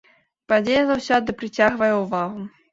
Падзея заўсёды прыцягвае ўвагу.